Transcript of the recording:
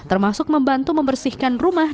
termasuk membantu membersihkan rumah